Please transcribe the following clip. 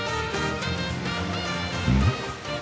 うん？